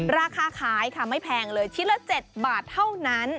ราคาขายค่ะไม่แพงเลยชิ้นละ๗บาทเท่านั้น